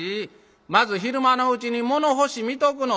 まず昼間のうちに物干し見とくの。